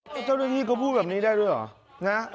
เจ้าหน้าที่เขาพูดแบบนี้ได้ด้วยเหรอนะ